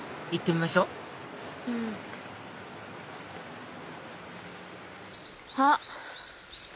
行ってみましょあっ。